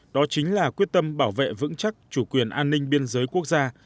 đó chính là quyết tâm bảo vệ vững chắc chủ quyền an ninh biên giới quốc gia